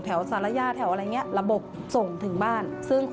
แถวศรรยาแถวอะไรแบบนี้ระบบส่งถึงบ้าน